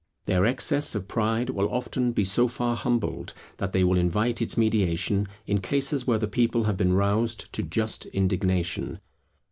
Their excess of pride will often be so far humbled that they will invite its mediation in cases where the people have been roused to just indignation.